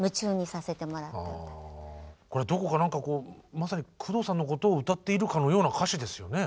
どこか何かこうまさに工藤さんのことを歌っているかのような歌詞ですよね。